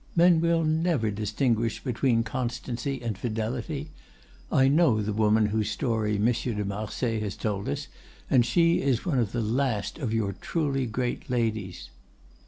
Men will never distinguish between constancy and fidelity.—I know the woman whose story Monsieur de Marsay has told us, and she is one of the last of your truly great ladies."